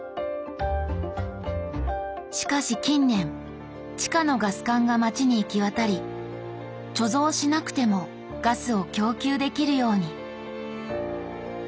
しかし近年地下のガス管が街に行き渡り貯蔵しなくてもガスを供給できるように。